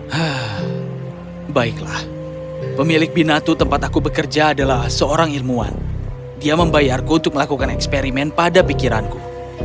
hah baiklah pemilik binatu tempat aku bekerja adalah seorang ilmuwan dia membayarku untuk melakukan eksperimen pada pikiranku